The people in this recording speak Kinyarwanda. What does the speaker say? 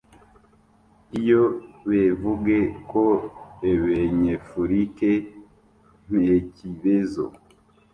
iyo bevuge ko ebenyefurike ntekibezo